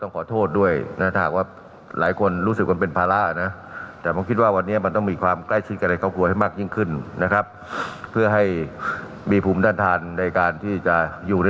ไปฟังเสียงนายกค่ะ